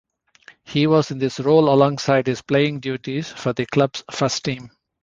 He was in this role alongside his playing duties for the club's first team.